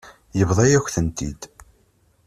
Yebḍa-yak-tent-id.